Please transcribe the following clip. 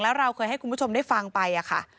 แล้วเราเคยให้คุณผู้ชมได้ฟังไปค่ะ